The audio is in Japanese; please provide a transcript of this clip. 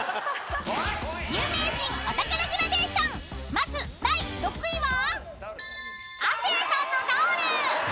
［まず第６位は］